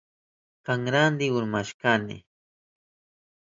Kanranti urmashkani.